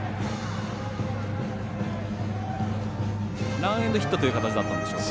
ランエンドヒットという形だったんでしょうか。